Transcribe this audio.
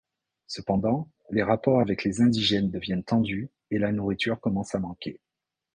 Cependant, les rapports avec les indigènes deviennent tendus et la nourriture commence à manquer.